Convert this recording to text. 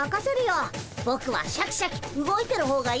ぼくはシャキシャキ動いてる方がいいんだ。